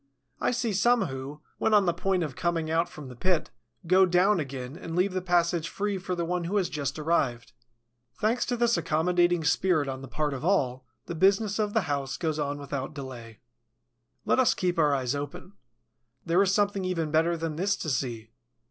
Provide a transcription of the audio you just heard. I see some who, when on the point of coming out from the pit, go down again and leave the passage free for the one who has just arrived. Thanks to this accommodating spirit on the part of all, the business of the house goes on without delay. Let us keep our eyes open. There is something even better than this to see.